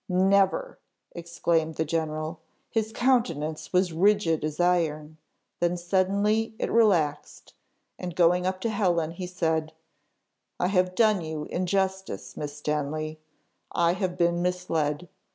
"Never!" exclaimed the general. His countenance was rigid as iron; then suddenly it relaxed, and going up to Helen, he said, "I have done you injustice, Miss Stanley. I have been misled.